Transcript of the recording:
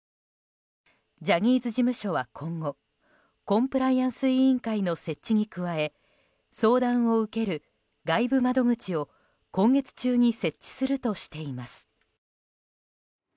ジャニーズ事務所は今後コンプライアンス委員会の設置に加え相談を受ける外部窓口を今月中に設置するとしています。